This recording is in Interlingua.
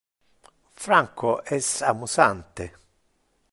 Franco es amusante.